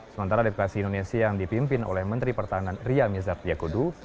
sementara di legasi indonesia yang dipimpin oleh menteri pertahanan ria mizat yakudu